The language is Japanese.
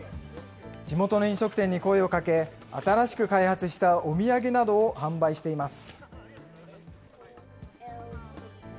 地元の飲食店に声をかけ、新しく開発したお土産などを販売しています。